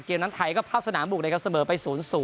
เกมนั้นไทยก็ภาพสนามบุกนะครับเสมอไป๐๐